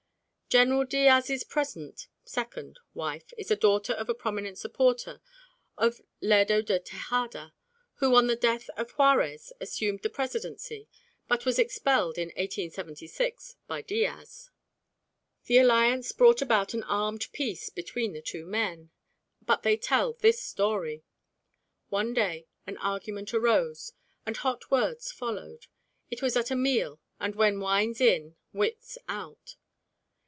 General Diaz's present (second) wife is a daughter of a prominent supporter of Lerdo de Tejada, who on the death of Juarez assumed the presidency, but was expelled in 1876 by Diaz. The alliance brought about an armed peace between the two men. But they tell this story. One day an argument arose, and hot words followed. It was at a meal; and when wine's in, wit's out.